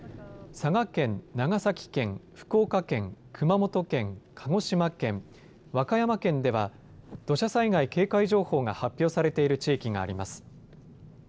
佐賀県、長崎県、福岡県、熊本県、鹿児島県、和歌山県では、土砂災害警戒情報が発表されている地域があります。